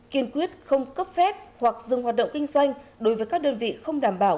kiên quyết không cấp phép hoặc dừng hoạt động kinh doanh đối với các đơn vị không đảm bảo